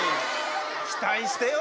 期待してよ